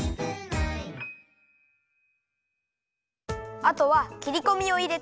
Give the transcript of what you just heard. あとはきりこみをいれて。